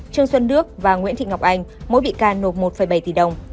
trương xuân đức và nguyễn thị ngọc anh mỗi bị can nộp một bảy tỷ đồng